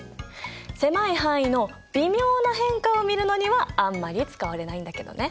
狭い範囲の微妙な変化を見るのにはあんまり使われないんだけどね。